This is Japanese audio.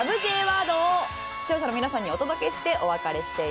Ｊワードを視聴者の皆さんにお届けしてお別れしています。